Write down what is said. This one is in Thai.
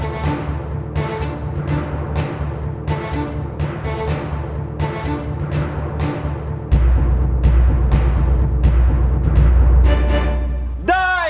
ร้องได้ร้องได้